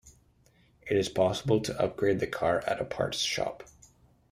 It is possible to upgrade the car at a Parts Shop.